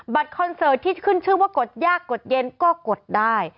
คอนเสิร์ตที่ขึ้นชื่อว่ากดยากกดเย็นก็กดได้